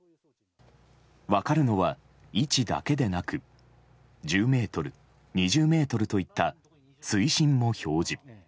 分かるのは位置だけでなく１０ｍ、２０ｍといった水深も表示。